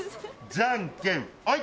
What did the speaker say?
じゃんけん、あい！